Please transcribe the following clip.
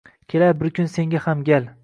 Kelar bir kun senga ham gal